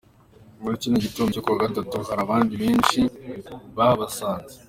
Muri kino gitondo cyo ku wa gatatu hari abandi benshi bahabasanze.